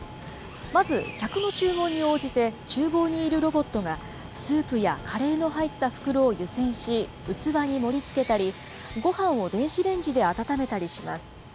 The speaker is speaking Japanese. まず、客の注文に応じて、ちゅう房にいるロボットが、スープやカレーの入った袋を湯せんし、器に盛りつけたり、ごはんを電子レンジで温めたりします。